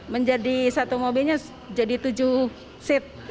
menjadi satu mobilnya jadi tujuh seat